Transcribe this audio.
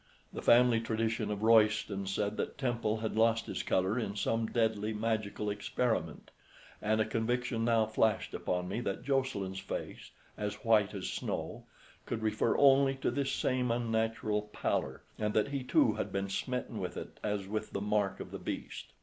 The family tradition of Royston said that Temple had lost his colour in some deadly magical experiment, and a conviction now flashed upon me that Jocelyn's face "as white as snow" could refer only to this same unnatural pallor, and that he too had been smitten with it as with the mark of the beast.